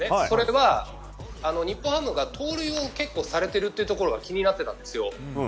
それは、日本ハムが盗塁を結構されてるというところが気になってたんですよ。